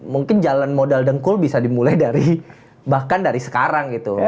mungkin jalan modal dengkul bisa dimulai dari bahkan dari sekarang gitu